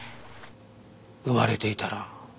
生まれていたら？